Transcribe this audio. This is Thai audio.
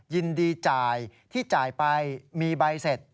ยินดีจ่ายที่จ่ายไปมีใบเสร็จ